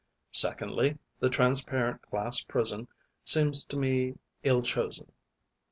Secondly, the transparent glass prison seems to me ill chosen.